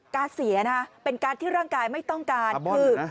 เสียนะเป็นการ์ดที่ร่างกายไม่ต้องการคือ